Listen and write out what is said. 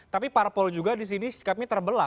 tapi parpol disini juga terbelah